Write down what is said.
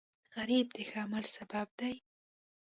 غریب د ښه عمل سبب دی